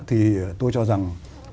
thì tôi cho rằng